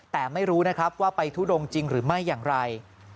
แต่ไม่รู้นะครับว่าไปทุดงจริงหรือไม่อย่างไร